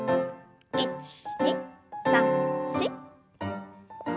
１２３４。